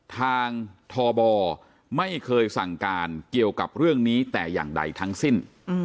ทางทบไม่เคยสั่งการเกี่ยวกับเรื่องนี้แต่อย่างใดทั้งสิ้น